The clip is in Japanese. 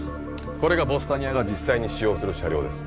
これがヴォスタニアが実際に使用する車両です